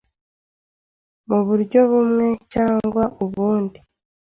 mu buryo bumwe cyangwa ubundi